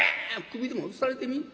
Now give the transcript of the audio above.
首でも落とされてみい。